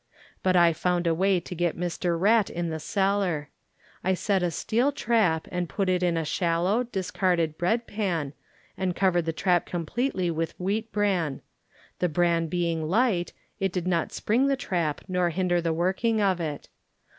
But I found a way to get Mr. Rat in the cellar. I set a steel trap and put it in a shallow, discarded bread pan, and covered the trap completely with wheat bran; the bran being light, did not spring the trap nor hinder the working of it.